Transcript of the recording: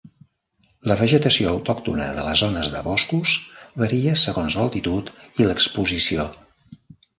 La vegetació autòctona de les zones de boscos varia segons l'altitud i l'exposició.